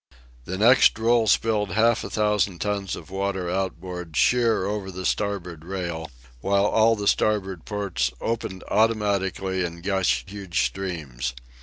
The next roll spilled half a thousand tons of water outboard sheer over the starboard rail, while all the starboard ports opened automatically and gushed huge streams.